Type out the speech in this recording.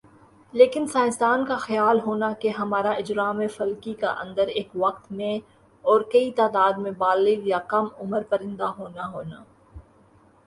لیکن سائنسدان کا خیال ہونا کہ ہمارہ اجرام فلکی کا اندر ایک وقت میں اور کی تعداد میں بالغ یا کم عمر پرندہ ہونا ہونا